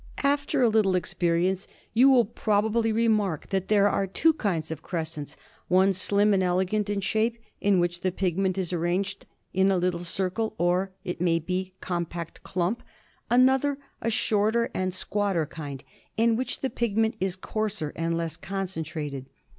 After a little experience you will probably remark that there are two kinds of crescents, one slim and elegant in shape, in which the pigment is arranged in a little circle or, it may be, compact clump ; another, a shorter and squatter kind, in which the pigment is coarser and less concentrated.